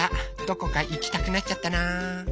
どこかへいきたくなっちゃったな。